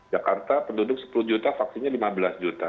jakarta penduduk sepuluh juta vaksinnya lima belas juta